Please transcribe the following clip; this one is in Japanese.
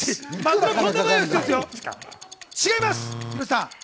違います。